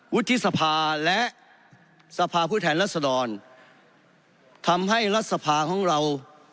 วุฒิสภาและสภาพผู้แทนรัศดรทำให้รัฐสภาของเรา